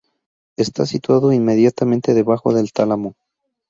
Esta situado inmediatamente debajo del tálamo.